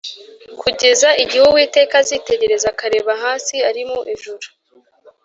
Kugeza igihe Uwiteka azitegereza, Akareba hasi ari mu ijuru.